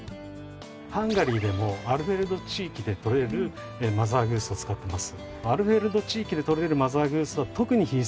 ハンガリーでもアルフェルド地域でとれるマザーグースを使ってます。